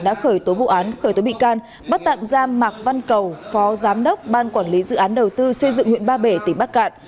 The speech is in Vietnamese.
đã khởi tố vụ án khởi tố bị can bắt tạm giam mạc văn cầu phó giám đốc ban quản lý dự án đầu tư xây dựng huyện ba bể tỉnh bắc cạn